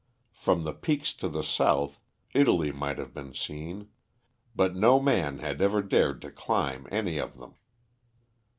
From the peaks to the south, Italy might have been seen, but no man had ever dared to climb any of them.